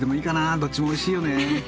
どっちもおいしいよね。